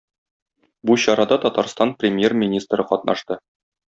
Бу чарада Татарстан Премьер-министры катнашты.